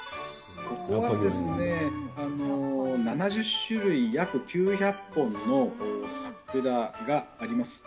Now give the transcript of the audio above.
ここはですね、７０種類、約９００本の桜があります。